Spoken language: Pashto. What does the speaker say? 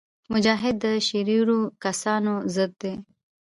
مجاهد د شریرو کسانو ضد وي.